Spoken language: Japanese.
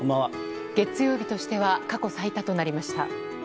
月曜日としては過去最多となりました。